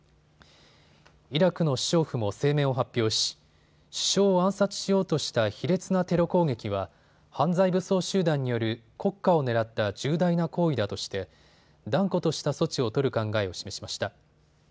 イラクの首相府も声明を発表し首相を暗殺しようとした卑劣なテロ攻撃は犯罪武装集団による国家を狙った重大な行為だとして断固とした措置を取る考えを示しました。